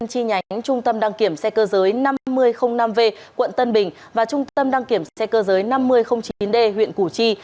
chi nhánh trung tâm đăng kiểm xe cơ giới năm nghìn năm v quận tân bình và trung tâm đăng kiểm xe cơ giới năm nghìn chín d huyện củ chi